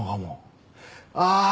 ああ！